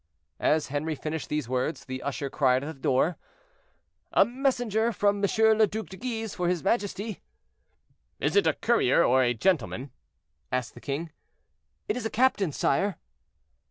As Henri finished these words, the usher cried at the door, "A messenger from M. le Duc de Guise for his majesty." "Is it a courier or a gentleman?" asked the king. "It is a captain, sire."